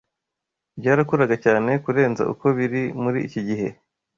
byarakuraga cyane kurenza uko biri muri iki gihe